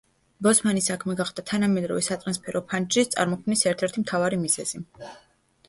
ბოსმანის საქმე გახდა თანამედროვე სატრანსფერო ფანჯრის წარმოქმნის ერთ-ერთი მთავარი მიზეზი.